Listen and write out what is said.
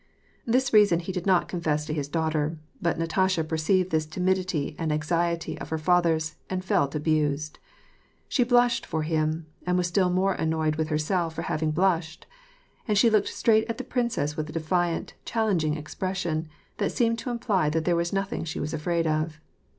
This rear son he did not confess to his daughter, but Natasha perceived this timidity and anxiety of her father's, and felt abused. She blushed for him, and was still more annoyed with herself for having blushed ; and she looked straight at the princess with a defiant, challenging expression, that seemed to imply that there was nothing she was afraid of.